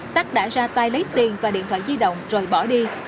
tắc đã ra tay lấy tiền và điện thoại di động rồi bỏ đi